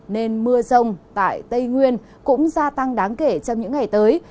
nên mưa rông tại tây nguyên cũng gia tăng đáng kể trong những ngày tới